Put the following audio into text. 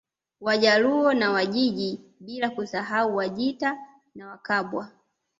Wajaluo na Wajiji bila kusahau Wajita na Wakabwa